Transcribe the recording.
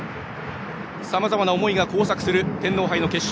さまざまな思いが交錯する天皇杯の決勝。